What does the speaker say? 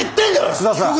楠田さん。